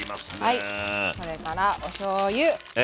はいそれからおしょうゆ。